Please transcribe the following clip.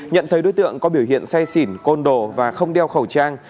nhận thấy đối tượng có biểu hiện say xỉn côn đồ và không đeo khẩu trang